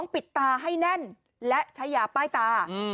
ปิดตาให้แน่นและใช้ยาป้ายตา